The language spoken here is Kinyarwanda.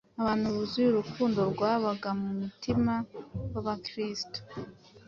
abantu buzuye urukundo rwabaga mu mutima wa Kristo.